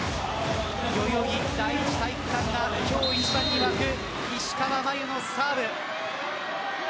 代々木第一体育館が沸く石川真佑のサーブ。